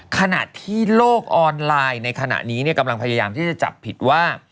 ขณะที่โลกออนไลน์ในขณะนี้กำลังพยายามที่จะจับผิดว่า